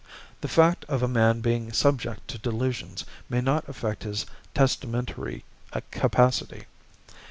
The fact of a man being subject to delusions may not affect his testamentary capacity.